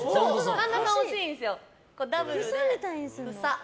神田さん惜しいんですよ。